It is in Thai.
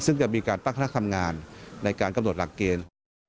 ซึ่งจะมีการตั้งคณะทำงานในการกำหนดหลักเกณฑ์